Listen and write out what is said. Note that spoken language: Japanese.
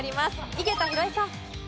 井桁弘恵さん。